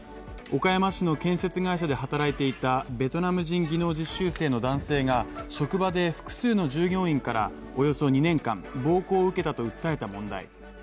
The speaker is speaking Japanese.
岡山市の建設会社で働いていたベトナム人技能実習生の男性が職場で複数の従業員からおよそ２年間、暴行を受けたと訴えた問題。